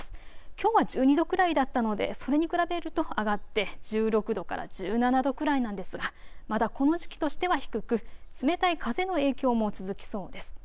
きょうは１２度くらいだったのでそれに比べると上がって１６度から１７度くらいなんですがまだこの時期としては低く冷たい風の影響も続きそうです。